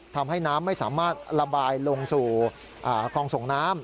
ทำให้น้ำไม่สามารถระบายลงสู่คลองส่งน้ำ